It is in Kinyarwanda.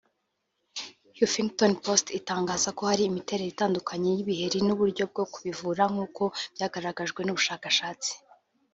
Huffington Post itangaza ko hari imiterere itandukanye y’ibiheri n’uburyo bwo kubivura nk’uko byagaragajwe n’ubushakashatsi